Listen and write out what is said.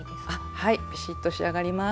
はいビシッと仕上がります。